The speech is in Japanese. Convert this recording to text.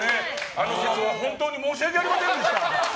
あの説は本当に申し訳ありませんでした。